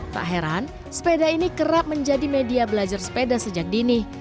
tak heran sepeda ini kerap menjadi media belajar sepeda sejak dini